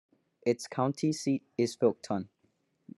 Its county seat is Faulkton.